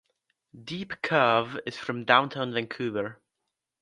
Deep Cove is from downtown Vancouver.